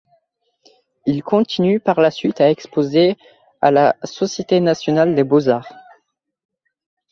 Il continue par la suite à exposer à la Société nationale des beaux-arts.